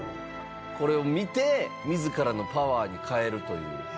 これを見て自らのパワーに変えるという。